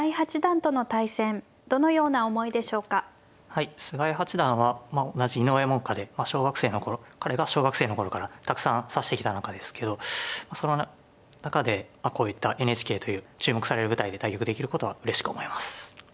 はい菅井八段は同じ井上門下で彼が小学生の頃からたくさん指してきた仲ですけどその中でこういったＮＨＫという注目される舞台で対局できることはうれしく思います。